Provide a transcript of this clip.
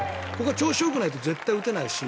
調子が悪いと絶対打てないし。